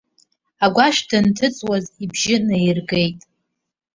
Агәашә данҭыҵуаз, ибжьы наиргеит.